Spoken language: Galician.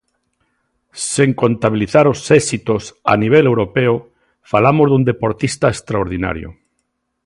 Sen contabilizar os éxitos a nivel europeo, falamos dun deportista extraordinario.